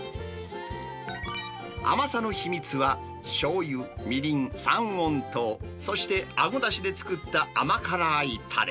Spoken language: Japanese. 甘さの秘密は、しょうゆ、みりん、三温糖、そしてあごだしで作った甘辛いたれ。